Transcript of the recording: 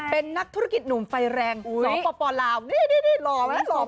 เป็นนักธุรกิจหนุ่มไฟแรงสปลาวนี่หล่อไหมหล่อ